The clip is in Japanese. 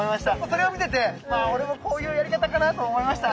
それを見ててまあ俺もこういうやり方かなと思いました。